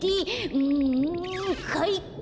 うんかいか！